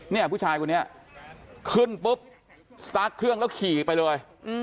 เนี่ยผู้ชายคนนี้ขึ้นปุ๊บสตาร์ทเครื่องแล้วขี่ไปเลย